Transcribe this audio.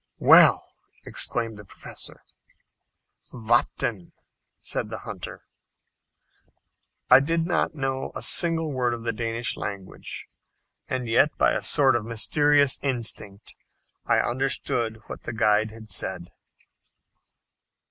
"Well!" exclaimed the Professor. "Vatten," said the hunter. I did not know a single word of the Danish language, and yet by a sort of mysterious instinct I understood what the guide had said.